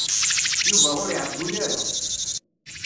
Yuba ur iɛeyyu ara.